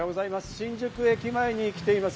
新宿駅前に来ています。